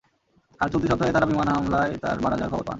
আর, চলতি সপ্তাহে তাঁরা বিমান হামলায় তাঁর মারা যাওয়ার খবর পান।